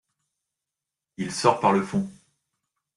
Il sort par le fond.